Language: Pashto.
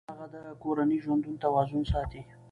هغه د کورني ژوند توازن ساتي.